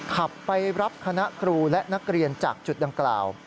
ขับไปรับคณะครูและนักเรียนจากจุดดังกล่าว